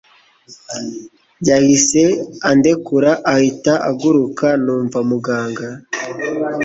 yahise andekura ahita ahuguruka numva muganga